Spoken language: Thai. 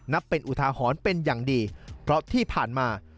เป็นอุทาหรณ์เป็นอย่างดีเพราะที่ผ่านมา